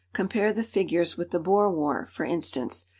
Compare the figures with the Boer War, for instance.